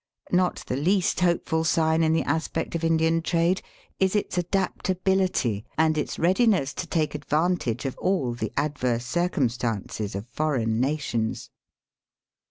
Not the least hopeful sign in the aspect of Indian trade is its adapt abiUty and its readiness to take advantage of aU the adverse circumstances of foreign nations.